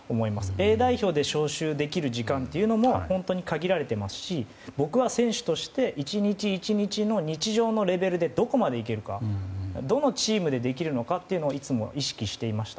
Ａ代表で招集できる時間というのも本当に限られていますし僕は選手として１日１日の日常のレベルでどこまでいけるかどのチームでできるのかをいつも意識していました。